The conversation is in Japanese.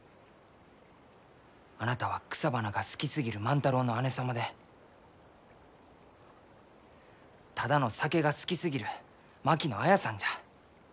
あなたは草花が好きすぎる万太郎の姉様でただの酒が好きすぎる槙野綾さんじゃ。